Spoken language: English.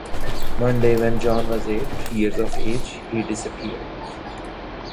One day, when John was eight years of age, he disappeared.